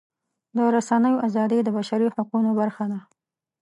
د رسنیو ازادي د بشري حقونو برخه ده.